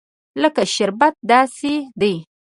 لکه شربت داسې دي.